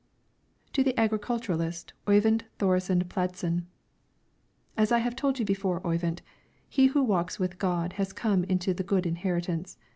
TO THE AGRICULTURIST, OYVIND THORESEN PLADSEN: As I have told you before, Oyvind, he who walks with God has come into the good inheritance.